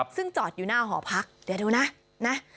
ซึ่งจอดอยู่หน้าหอพักเดี๋ยวดูนะนะ